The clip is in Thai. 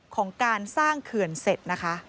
ของการสร้างเคือนเสร็จ